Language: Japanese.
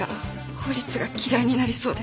法律が嫌いになりそうです。